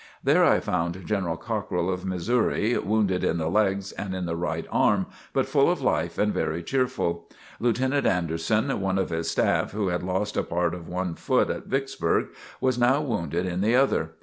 There I found General Cockrill of Missouri, wounded in the legs and in the right arm but full of life and very cheerful. Lieutenant Anderson, one of his staff, who had lost a part of one foot at Vicksburg, was now wounded in the other.